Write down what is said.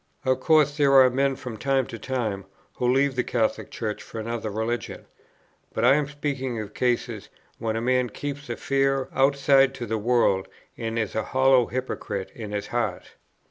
Of course there are men from time to time, who leave the Catholic Church for another religion, but I am speaking of cases, when a man keeps a fair outside to the world and is a hollow hypocrite in his heart.